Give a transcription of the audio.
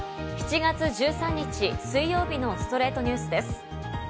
７月１３日、水曜日の『ストレイトニュース』です。